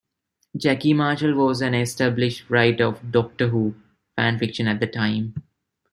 Jackie Marshall was an established writer of "Doctor Who" fan fiction at the time.